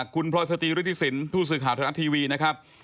คุณพลอยสตรีฤทธิสินผู้สื่อข่าวไทยรัฐทีวีนะครับ